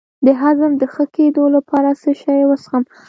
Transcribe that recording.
د هضم د ښه کیدو لپاره څه شی وڅښم؟